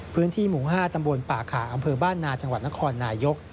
พื้นที่หมู่๕ตำบลป่าขาอำเภอบ้านนาจังหวัดนครนายก